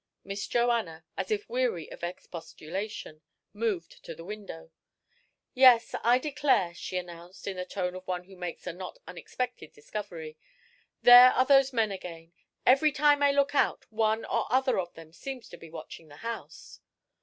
Miss Joanna, as if weary of expostulation, moved to the window. "Yes, I declare," she announced, in the tone of one who makes a not unexpected discovery, "there are those men again. Every time I look out, one or other of them seems to be watching the house."